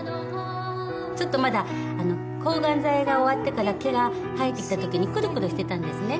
ちょっとまだ抗がん剤が終わってから毛が生えてきた時にくるくるしてたんですね。